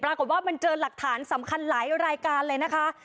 ปรากฏว่ามันเจอหลักฐานสำคัญหลายรายการเลยนะคะ